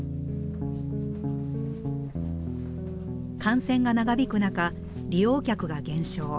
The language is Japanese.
感染が長引く中利用客が減少。